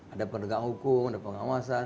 ada penegak hukum ada pengawasan